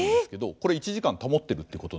これ１時間保ってるってことなんです。